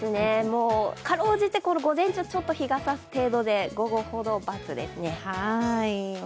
かろうじて午前中、ちょっと日が差す程度で、午後ほど×ですね。